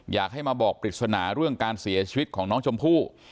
อยากให้มาบอกปริศนาเรื่องการเสียชีวิตของน้องชมพู่